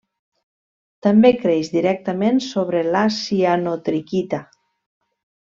També creix directament sobre la cianotriquita.